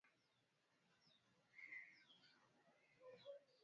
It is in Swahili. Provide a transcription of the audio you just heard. Tembelea kisiwa cha Turtle na kuona kamba kubwa za ardhi